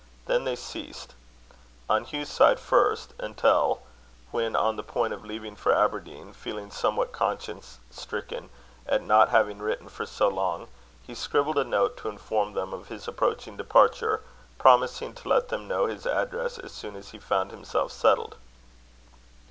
Then they ceased on Hugh's side first; until, when on the point of leaving for Aberdeen, feeling somewhat conscience stricken at not having written for so long, he scribbled a note to inform them of his approaching departure, promising to let them know his address as soon as he found himself settled.